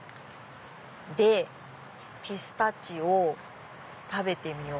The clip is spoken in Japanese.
でピスタチオを食べてみよう。